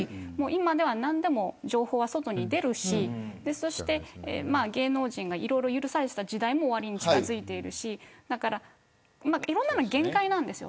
今では何でも情報が外に出るし芸能人がいろいろ許されていた時代も終わりに近づいているしいろんなものが限界なんです。